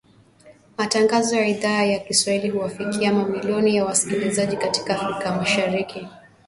Matangazo ya Idhaa ya Kiswahili huwafikia mamilioni ya wasikilizaji katika Afrika Mashariki.